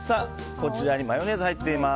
こちらにマヨネーズ入っています。